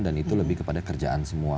dan itu lebih kepada kerjaan semua